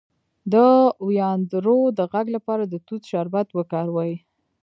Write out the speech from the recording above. د وینادرو د غږ لپاره د توت شربت وکاروئ